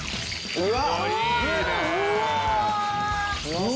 うわ！